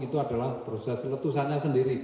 itu adalah proses letusannya sendiri